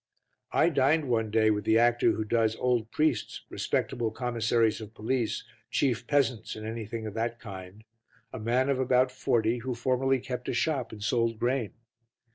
I dined one day with the actor who does old priests, respectable commissaries of police, chief peasants and anything of that kind, a man of about forty who formerly kept a shop and sold grain.